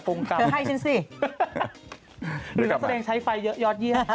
หรือว่าแสดงใช้ไฟเยอะยอดเยี่ยน